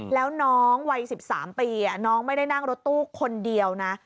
แล้วน้องวัย๑๓ปีน้องไม่ได้นั่งรถตู้คนเดียวนะ